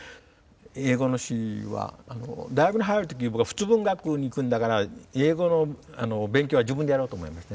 英語の詩は大学に入るとき僕は仏文学に行くんだから英語の勉強は自分でやろうと思いましてね。